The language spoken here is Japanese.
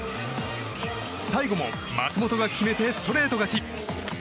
最後も松本が決めてストレート勝ち。